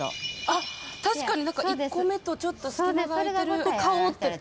あっ確かに１個目とちょっと隙間が空いてる。